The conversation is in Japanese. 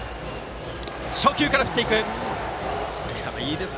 初球から振っていきます。